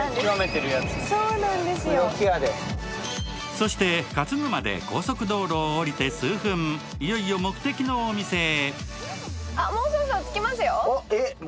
そして、勝沼で高速道路を降りて数分いよいよ目的のお店へ。